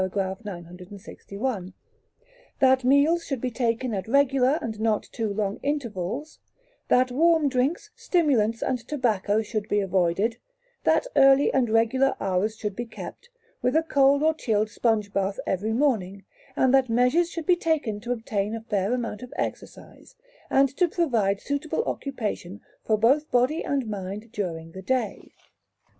961); that meals should be taken at regular and not too long intervals; that warm drinks, stimulants, and tobacco should be avoided; that early and regular hours should be kept, with a cold or chilled sponge bath every morning; and that measures should be taken to obtain a fair amount of exercise, and to provide suitable occupation for both body and mind during the day.